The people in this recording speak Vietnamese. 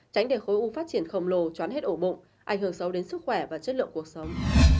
tránh để khối u phát triển khổng lồ chóng hết ổ bụng ảnh hưởng sâu đến sức khỏe và chất lượng cuộc sống